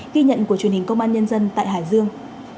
ghi nhận của truyền hình công an nhân dân tại hải dương